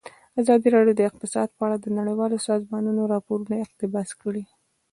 ازادي راډیو د اقتصاد په اړه د نړیوالو سازمانونو راپورونه اقتباس کړي.